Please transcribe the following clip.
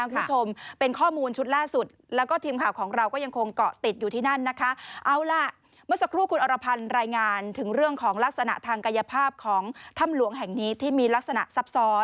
จังหวัดเชียงรายในหน้าคุณผู้ชมค่ะเป็นข้อมูลชุดล่าสุด